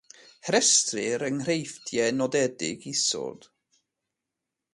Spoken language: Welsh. Rhestrir enghreifftiau nodedig isod.